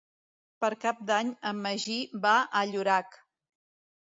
Per Cap d'Any en Magí va a Llorac.